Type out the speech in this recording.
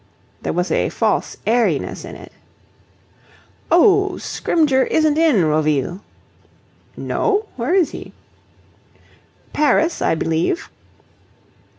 There was a false airiness in it. "Oh, Scrymgeour isn't in Roville." "No? Where is he?" "Paris, I believe."